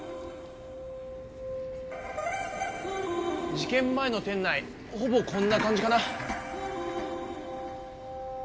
事件前の店内ほぼこんな感じかな。